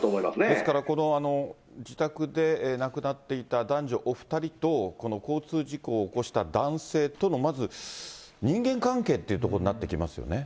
ですから、この自宅で亡くなっていた男女お２人と、この交通事故を起こした男性との、まず人間関係っていうところになってきますよね。